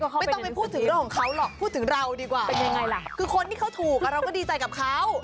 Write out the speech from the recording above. ไม่ต้องไปพูดถึงเรื่องของเขาหรอกพูดถึงเราดีกว่าคือคนที่เขาถูกเราก็ดีใจกับเขา